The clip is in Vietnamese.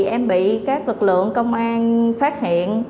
em bị các lực lượng công an phát hiện